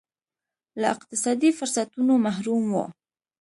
له اقتصادي فرصتونو محروم وو.